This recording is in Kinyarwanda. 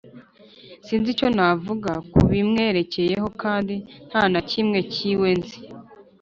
Sinzi icyo navuga kubimwerekeyeho Kandi ntanakimwe kiwe nzi